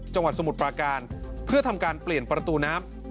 สมุทรปราการเพื่อทำการเปลี่ยนประตูน้ำ